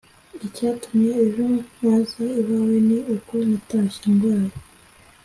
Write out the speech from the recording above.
- icyatumye ejo ntaza iwawe ni uko natashye ndwaye.